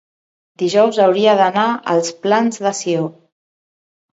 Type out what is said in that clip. dijous hauria d'anar als Plans de Sió.